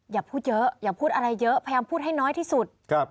อย่าพูดเยอะอย่าพูดอะไรเยอะพยายามพูดให้น้อยที่สุด